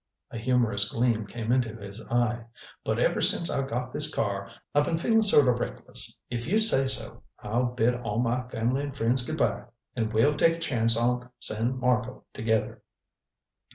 A humorous gleam came into his eye. "But ever since I got this car I been feelin' sort o' reckless. If you say so, I'll bid all my family and friends good by, and we'll take a chance on San Marco together."